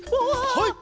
はい！